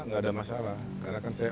nggak ada masalah karena kan saya